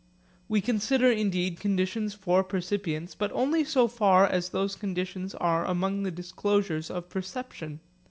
We consider indeed conditions for percipience, but only so far as those conditions are among the disclosures of perception.